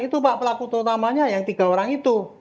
itu pak pelaku terutamanya yang tiga orang itu